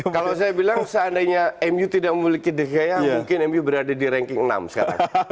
kalau saya bilang seandainya mu tidak memiliki the gaya mungkin mu berada di ranking enam sekarang